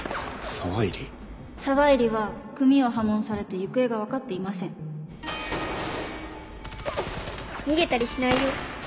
沢入は組を破門されて行方が分かって逃げたりしないよ。